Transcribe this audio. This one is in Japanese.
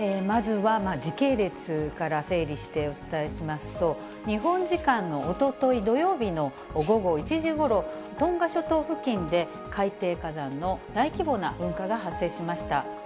まずは時系列から整理してお伝えしますと、日本時間のおととい土曜日の午後１時ごろ、トンガ諸島付近で、海底火山の大規模な噴火が発生しました。